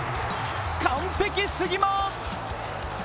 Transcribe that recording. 完璧すぎます。